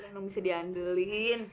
lo bisa diandulin